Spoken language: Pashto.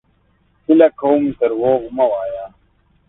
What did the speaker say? هيله کوم دروغ مه وايه!